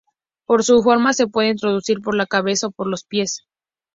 Por su forma, se puede introducir por la cabeza o por los pies.